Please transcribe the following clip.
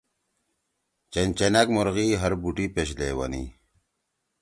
چنچنیأک مرغی ہر بوٹی پیاش لیوانی؟